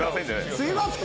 すいません。